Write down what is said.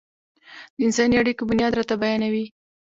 د انساني اړيکو بنياد راته بيانوي.